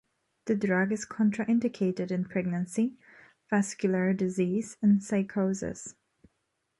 The drug is contraindicated in pregnancy, vascular disease, and psychosis.